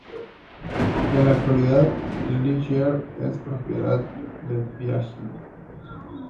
En la actualidad Ligier es propiedad de Piaggio.